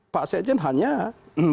pak sekjen hanya pak asto hanya